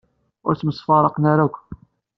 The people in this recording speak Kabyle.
Ur ttemsefraqent ara akk.